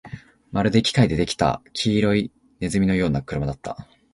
まるで機械で出来た黄色い鼠のような車だった